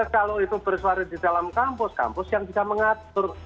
kalau itu bersuara di dalam kampus kampus yang bisa mengatur